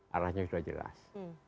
arahnya sudah jelas